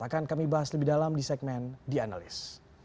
akan kami bahas lebih dalam di segmen dianalys